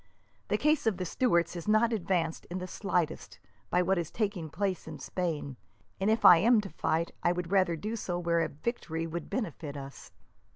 The cause of the Stuarts is not advanced, in the slightest, by what is taking place in Spain, and if I am to fight, I would rather do so where victory would benefit us."